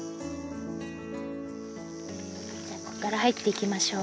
ここから入っていきましょう。